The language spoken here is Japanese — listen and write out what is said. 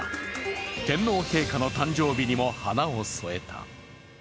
天皇陛下の誕生日にも花を添えた。